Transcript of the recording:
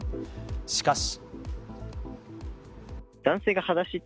しかし。